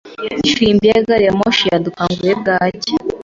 Ifirimbi ya gari ya moshi yadukanguye bwacya.